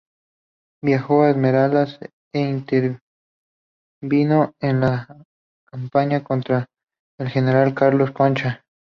Viajó a Esmeraldas e intervino en la campaña contra el general Carlos Concha.